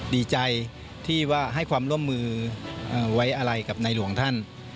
ดีใจที่ว่าให้ความร่วมมือไว้อะไรกับในหลวงท่าน